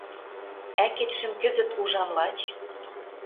Ӓкетшӹм кӹзӹт ужам лач.